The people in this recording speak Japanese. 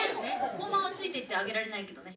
本番はついていってあげられないけどね。